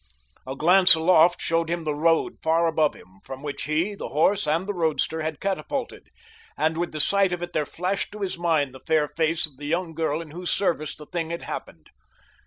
A glance aloft showed him the road far above him, from which he, the horse and the roadster had catapulted; and with the sight of it there flashed to his mind the fair face of the young girl in whose service the thing had happened.